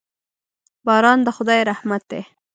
باران د خدای رحمت دی.